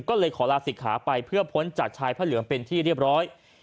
ก็เลยขอลาศิกขาไปเพื่อพ้นจากชายพระเหลืองเป็นที่เรียบร้อย